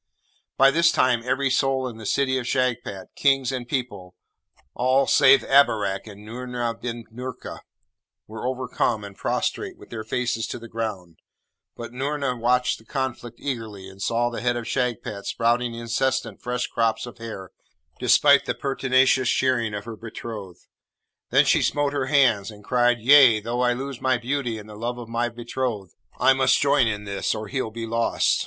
By this time every soul in the City of Shagpat, kings and people, all save Abarak and Noorna bin Noorka, were overcome and prostrate with their faces to the ground; but Noorna watched the conflict eagerly, and saw the head of Shagpat sprouting incessant fresh crops of hair, despite the pertinacious shearing of her betrothed. Then she smote her hands, and cried, 'Yea! though I lose my beauty and the love of my betrothed, I must join in this, or he'll be lost.'